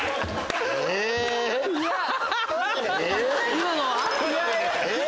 今のは？